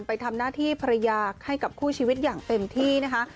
ไปทำหน้าที่ภรรยาให้กับคู่ชีวิตอย่างเต็มที่นะคะ